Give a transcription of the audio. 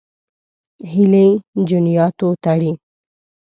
هیلې جنیاتو تړي.